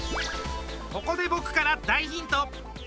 ここで僕から大ヒント！